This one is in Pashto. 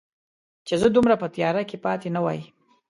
چې زه دومره په تیاره کې پاتې نه وای